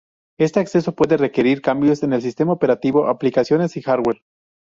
Este acceso puede requerir cambios en el sistema operativo, aplicaciones y hardware.